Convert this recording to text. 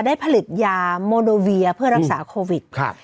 ได้ผลิตยาโมโนเวียเพื่อรักษาโควิดครับ